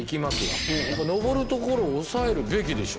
上る所を押さえるべきでしょ。